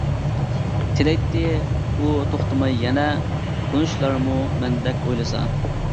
تىلەيتتى ئۇ توختىماي يەنە، تونۇشلارمۇ مەندەك ئويلىسا.